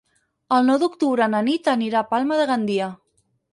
El nou d'octubre na Nit anirà a Palma de Gandia.